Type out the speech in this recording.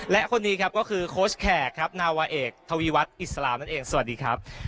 และคนนี้ครับก็คือโค้ชแขกครับนาวาเอกทวีวัฒน์อิสลามนั่นเองสวัสดีครับ